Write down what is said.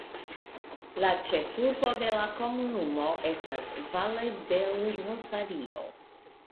La ĉefurbo de la komunumo estas Valle del Rosario.